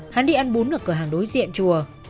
hắn đi ăn bún ở cửa hàng đối diện chùa